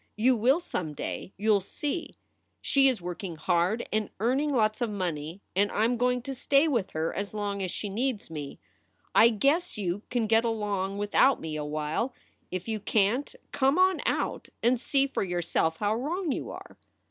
You will some day, you ll see. She is working hard and earning lots of money, and I m going to stay with her as long as she needs me. I guess you can get along without me awhile. If you can t, come on out and see for yourself how wrong you are.